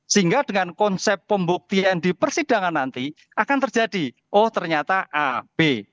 sehingga dengan konsep pembuktian di persidangan nanti akan terjadi oh ternyata a b